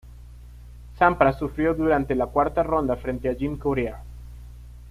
Sampras sufrió durante la cuarta ronda frente a Jim Courier.